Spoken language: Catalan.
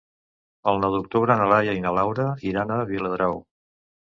El nou d'octubre na Laia i na Laura iran a Viladrau.